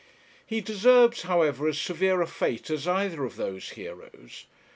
He deserves, however, as severe a fate as either of those heroes.